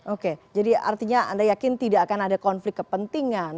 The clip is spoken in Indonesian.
oke jadi artinya anda yakin tidak akan ada konflik kepentingan